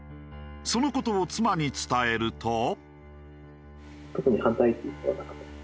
その事を妻に伝えると。